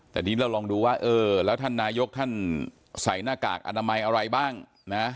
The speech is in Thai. แต่ทีนี้เราลองดูว่าเออแล้วท่านนายกท่านใส่หน้ากากอนามัยอะไรบ้างนะ